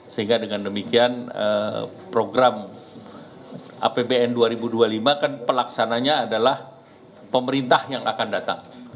sehingga dengan demikian program apbn dua ribu dua puluh lima kan pelaksananya adalah pemerintah yang akan datang